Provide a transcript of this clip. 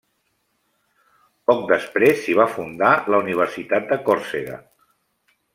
Poc després s'hi va fundar la Universitat de Còrsega.